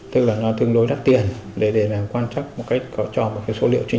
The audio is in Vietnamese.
tức là nó tương đối đắt tiền để để là quan trắc một cách có cho một số liên quan